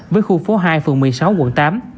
với khu phố hai phường một mươi sáu quận tám